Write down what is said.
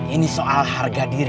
ini soal harga diri